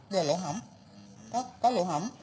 về lộ hỏng có lộ hỏng